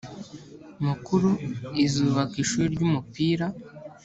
mukura izubaka ishuri ry’umupira